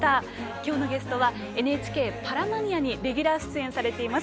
今日のゲストはＮＨＫ「パラマニア」にレギュラー出演されています